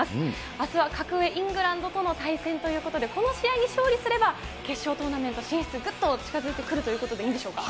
あすは格上、イングランドとの対戦ということで、この試合に勝利すれば、決勝トーナメント進出ぐっと近づいてくるということでいいんでしょうか。